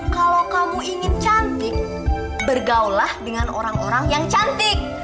kalau kamu ingin cantik bergaullah dengan orang orang yang cantik